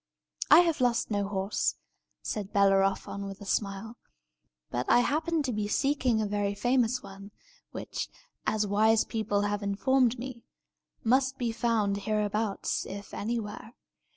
"I have lost no horse," said Bellerophon, with a smile. "But I happen to be seeking a very famous one, which, as wise people have informed me, must be found hereabouts, if anywhere.